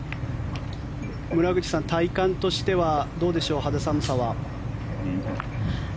村口さん、体感としてはどうでしょう、肌寒さは。